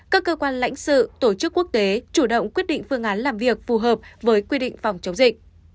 các cơ quan lãnh sự tổ chức quốc tế chủ động quyết định phương án làm việc phù hợp với quy định phòng chống dịch